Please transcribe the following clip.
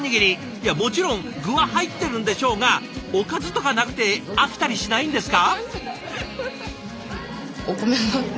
いやもちろん具は入ってるんでしょうがおかずとかなくて飽きたりしないんですか？